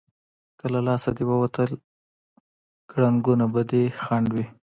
که له لاسه دې ووتل، کړنګونه به دې خنډ وي.